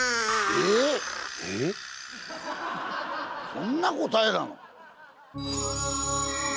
そんな答えなの？